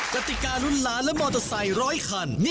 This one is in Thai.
กติการุ่นล้านและมอเตอร์ไซค์๑๐๐คัน